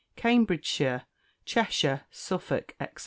Cambridgeshire, Cheshire, Suffolk, &c.